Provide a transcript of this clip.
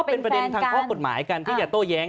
เป็นประเด็นทางข้อกฎหมายกันที่จะโต้แย้ง